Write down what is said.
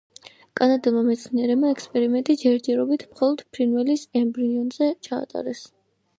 კანადელმა მეცნიერებმა ექსპერიმენტი ჯერჯერობით მხოლოდ ფრინველის ემბრიონზე ჩაატარეს.